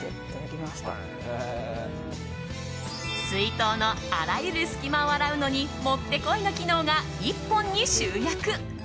水筒のあらゆる隙間を洗うのにもってこいの機能が１本に集約。